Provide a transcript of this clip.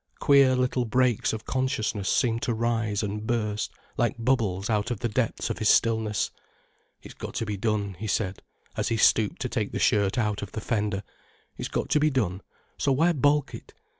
Queer little breaks of consciousness seemed to rise and burst like bubbles out of the depths of his stillness. "It's got to be done," he said as he stooped to take the shirt out of the fender, "it's got to be done, so why balk it?"